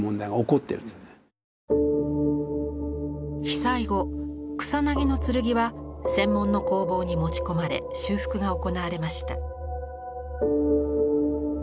被災後「草薙の剣」は専門の工房に持ち込まれ修復が行われました。